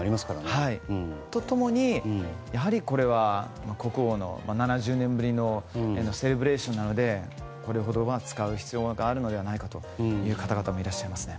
そうであると共に国王の７０年ぶりのセレブレーションなのでこれほど使う必要があるのではないかという方々もいらっしゃいますね。